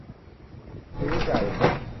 ซื้อใจ